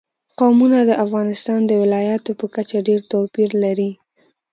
قومونه د افغانستان د ولایاتو په کچه ډېر توپیر لري.